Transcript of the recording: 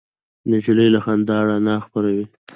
نجلۍ له خندا رڼا خپروي.